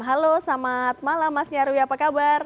halo selamat malam mas nyarwi apa kabar